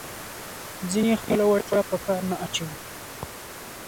ځینې خپله وړتیا په کار نه اچوي.